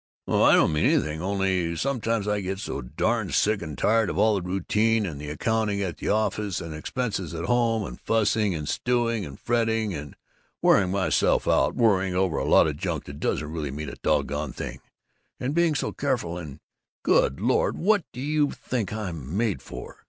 "Oh, I don't mean anything, only Sometimes I get so darn sick and tired of all this routine and the accounting at the office and expenses at home and fussing and stewing and fretting and wearing myself out worrying over a lot of junk that doesn't really mean a doggone thing, and being so careful and Good Lord, what do you think I'm made for?